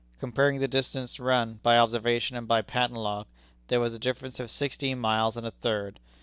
Comparing the distance run by observation and by patent log, there was a difference of sixteen miles and a third.